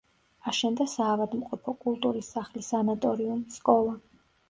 აშენდა საავადმყოფო, კულტურის სახლი, სანატორიუმი, სკოლა.